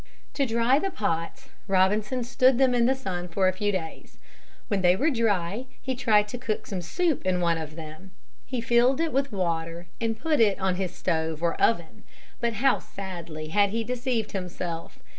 To dry the pots Robinson stood them in the sun a few days. When they were dry he tried to cook some soup in one of them. He filled it with water and put it on his stove or oven, but how sadly had he deceived himself.